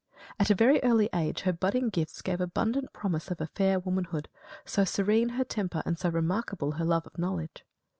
At a very early age her budding gifts gave abundant promise of a fair womanhood; so serene her temper and so remarkable her love of knowledge.